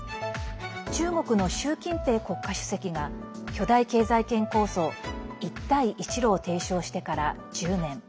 中国の習近平国家主席が巨大経済圏構想一帯一路を提唱してから１０年。